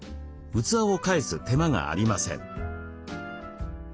器を返す手間がありません。